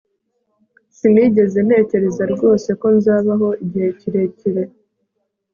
Sinigeze ntekereza rwose ko nzabaho igihe kirekire